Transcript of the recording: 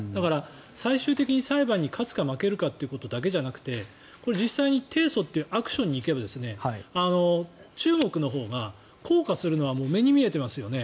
最終的に裁判に勝つか負けるかだけじゃなくて実際提訴というアクションに行けば中国のほうが硬化するのは目に見えていますよね。